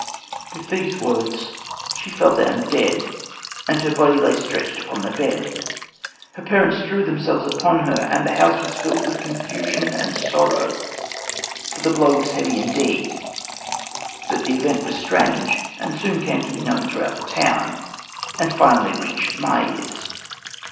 With these words she fell down dead, and her body lay stretched upon the bed. Her parents threw themselves upon her, and the house was filled with confusion and sorrow, for the blow was heavy indeed; but the event was strange, and soon became known throughout the town, and finally reached my ears.